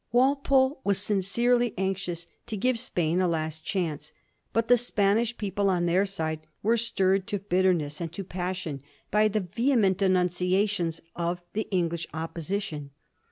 Walpole was sincerely anxious to give Spain a last chance ; but the Spanish people, on their side, were stirred to bit terness and to passion by the vehement denunciations of the English Opposition.